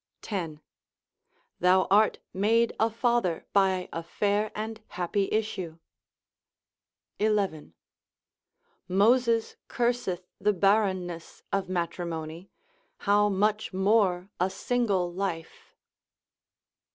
—10. Thou art made a father by a fair and happy issue.—11. Moses curseth the barrenness of matrimony, how much more a single life?